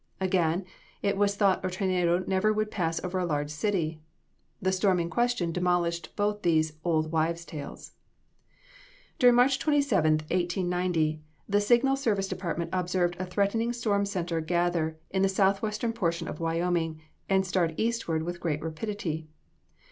Again, it was thought a tornado never would pass over a large city. The storm in question demolished both these "olde wyves' tales." During March 27th, 1890, the Signal Service Department observed a threatening storm center gather in the southwestern portion of Wyoming, and start eastward with great rapidity.